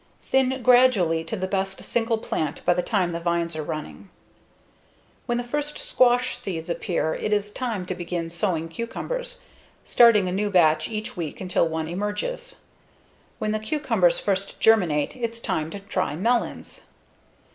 Thin gradually to the best single plant by the time the vines are running. When the first squash seeds appear it is time to begin sowing cucumbers, starting a new batch each week until one emerges. When the cucumbers first germinate, it's time to try melons.